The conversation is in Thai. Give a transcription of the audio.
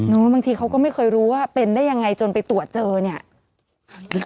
บางทีเขาก็ไม่เคยรู้ว่าเป็นได้ยังไงจนไปตรวจเจอเนี่ย